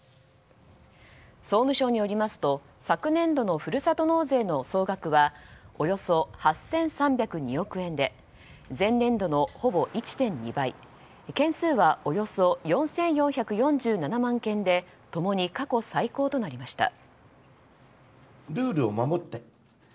総務省によりますと昨年度のふるさと納税の総額はおよそ８３０２億円で前年度のほぼ１．２倍件数はおよそ４４４７万件で共に過去最高となりました。